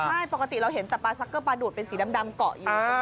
ใช่ปกติเราเห็นแต่ปลาซักเกอร์ปลาดูดเป็นสีดำเกาะอยู่